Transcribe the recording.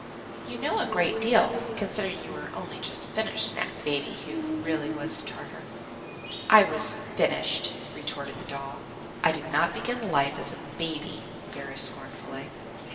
"You know a great deal, considering you are only just finished," snapped Baby, who really was a Tartar. "I was FINISHED," retorted the doll "I did not begin life as a baby!" very scornfully.